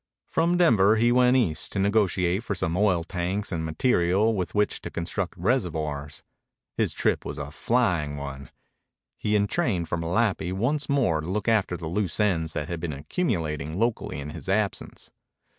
From Denver he went East to negotiate for some oil tanks and material with which to construct reservoirs. His trip was a flying one. He entrained for Malapi once more to look after the loose ends that had been accumulating locally in his absence.